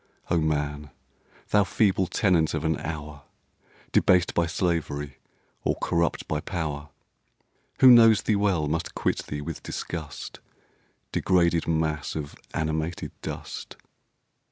Oh, man! thou feeble tenant of an hour, Debased by slavery or corrupt by power, Who knows thee well must quit thee with disgust, Degraded mass of animated dust!